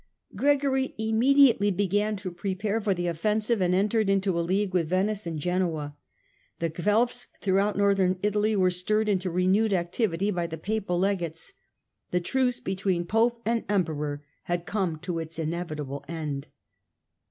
Gregory imme diately began to prepare for the offensive and entered into a league with Venice and Genoa. The Guelfs throughout Northern Italy were stirred into renewed activity by the Papal Legates. The truce between Pope and Emperor had come to its inevitable end.